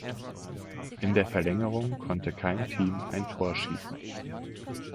In der Verlängerung konnte kein Team ein Tor schießen.